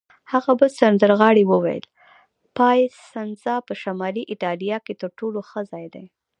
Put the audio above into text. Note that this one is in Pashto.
هغه بل سندرغاړي وویل: پایسنزا په شمالي ایټالیا کې تر ټولو ښه ځای دی.